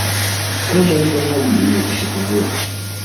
kama hiyo hali imekutokezea